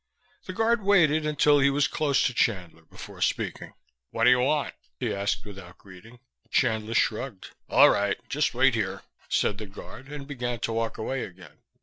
The guard waited until he was close to Chandler before speaking. "What do you want?" he asked without greeting. Chandler shrugged. "All right, just wait here," said the guard, and began to walk away again.